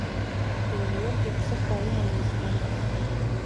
Иумҩыргьы ԥсыхәа уманы избом.